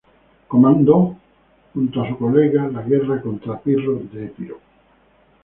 Comandó junto a su colega la guerra contra Pirro de Epiro.